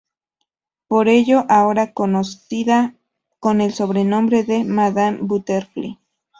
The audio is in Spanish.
Por ello era conocida con el sobrenombre de Madame Butterfly.